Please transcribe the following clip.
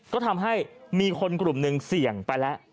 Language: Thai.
ก็ทำให้มีคนกลุ่มหนึ่งเสี่ยงไปแล้ว